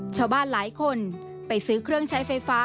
ชาวบ้านหลายคนไปซื้อเครื่องใช้ไฟฟ้า